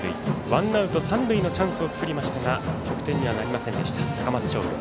ワンアウト、三塁のチャンスを作りましたが得点にはなりませんでした高松商業。